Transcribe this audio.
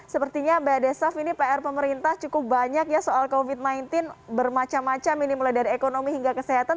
sepertinya mbak desaf ini pr pemerintah cukup banyak ya soal covid sembilan belas bermacam macam ini mulai dari ekonomi hingga kesehatan